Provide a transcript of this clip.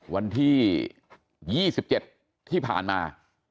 วันที่๒๗ที่ผ่านมา